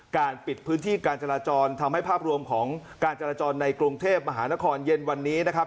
ปิดพื้นที่การจราจรทำให้ภาพรวมของการจราจรในกรุงเทพมหานครเย็นวันนี้นะครับ